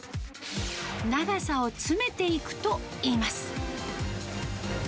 長さを詰めていくといいます。